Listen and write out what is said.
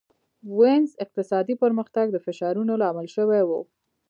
وینز اقتصادي پرمختګ د فشارونو لامل شوی و.